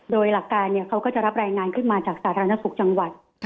โดยหลักการเขาก็จะรับรายงานขึ้นมาจากสาธารณสุขจังหวัด